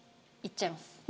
いっちゃいます。